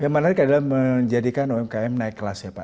yang menarik adalah menjadikan umkm naik kelas ya pak